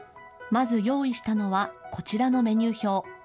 まず用意したのは、こちらのメニュー表。